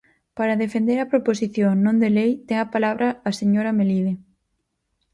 Para defender a proposición non de lei, ten a palabra a señora Melide.